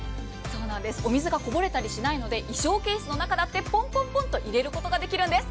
お水がこぼれたりしないので衣装ケースの中だってポンポンと入れることができるんです。